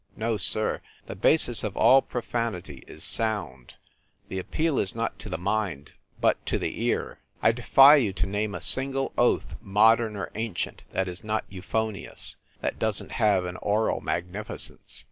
"No, sir. The basis of all profanity is sound. The appeal is not to the mind, but to the ear. I defy you to name a single oath, modern or ancient, that is not euphonious that doesn t have an oral magnificence.